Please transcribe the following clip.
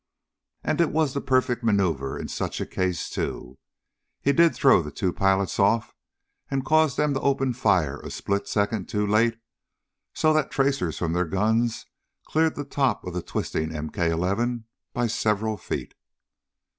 And it was the perfect maneuver in such a case, too. He did throw the two pilots off and caused them to open fire a split second too late so that tracers from their guns cleared the top of the twisting MK 11 by several feet.